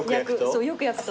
そうよく焼くと。